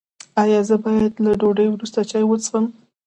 ایا زه باید له ډوډۍ وروسته چای وڅښم؟